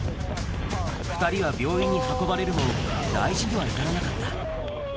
２人は病院に運ばれるも、大事には至らなかった。